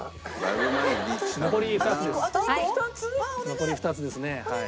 残り２つですねはい。